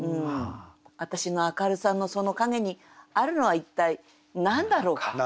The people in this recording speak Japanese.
私の明るさのその陰にあるのは一体何だろうか。